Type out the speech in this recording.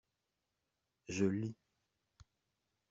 Je lis.